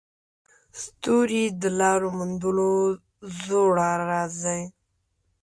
ستوري د لارو موندلو زوړ راز دی.